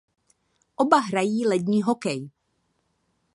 Oba hrají lední hokej.